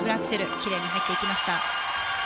きれいに入っていきました。